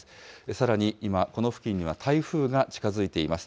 さらに今、この付近には台風が近づいています。